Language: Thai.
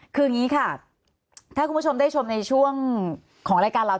คืออย่างนี้ค่ะถ้าคุณผู้ชมได้ชมในช่วงของรายการเรา